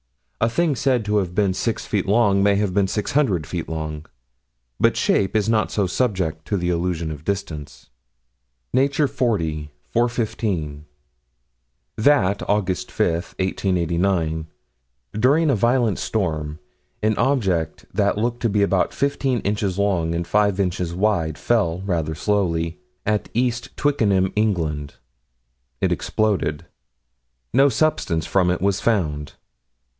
A thing said to have been six feet long may have been six hundred feet long; but shape is not so subject to the illusions of distance. Nature, 40 415: That, Aug. 5, 1889, during a violent storm, an object that looked to be about 15 inches long and 5 inches wide, fell, rather slowly, at East Twickenham, England. It exploded. No substance from it was found.